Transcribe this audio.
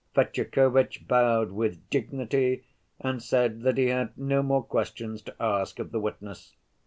Fetyukovitch bowed with dignity and said that he had no more questions to ask of the witness.